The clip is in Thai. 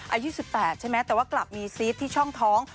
อายุ๑๘ใช่ไหมแต่ว่ากลับมีซีสที่ช่องท้อง